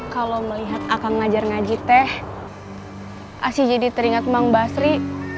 kalau melihat akang ngajar ngaji teh asyik jadi teringat emang basri